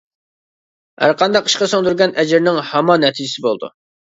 ھەرقانداق ئىشقا سىڭدۈرگەن ئەجىرنىڭ ھامان نەتىجىسى بولىدۇ.